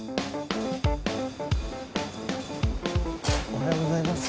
おはようございます。